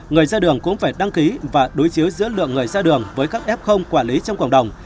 người ra đường cũng phải đăng ký và đối chiếu giữa lượng người ra đường với các f quản lý trong cộng đồng